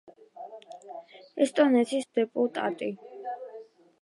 ესტონეთის სახელმწიფო საბჭოს დეპუტატი.